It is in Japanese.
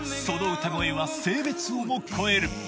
その歌声は性別をも超える